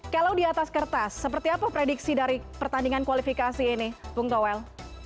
kalau di atas kertas seperti apa prediksi dari pertandingan kualifikasi ini bung towel